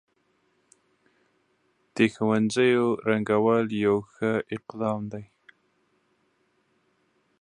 د ښوونځيو رنګول يو ښه اقدام دی.